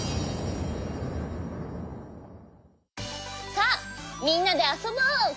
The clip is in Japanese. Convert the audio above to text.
さあみんなであそぼう！